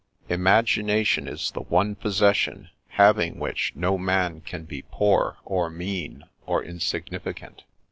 Imagination is the one possession having which no man can be poor, or mean, or insignificant.